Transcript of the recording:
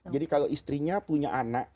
jadi kalau istrinya punya anak